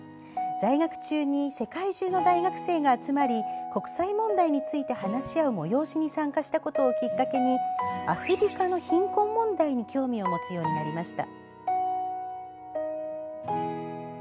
在学中に世界中の大学生が集まり国際問題について話し合う催しに参加したことをきっかけにアフリカの貧困問題に興味を持つようになりました。